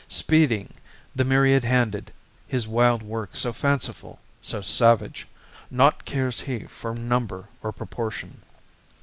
Speeding, the myriad handed, his wild work So fanciful, so savage, nought cares he For number or proportion.